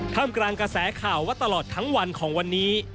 กลางกระแสข่าวว่าตลอดทั้งวันของวันนี้